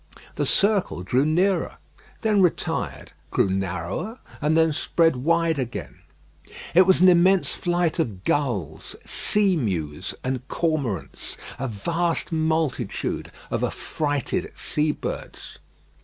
The circle drew nearer, then retired; grew narrower, and then spread wide again. It was an immense flight of gulls, seamews, and cormorants; a vast multitude of affrighted sea birds.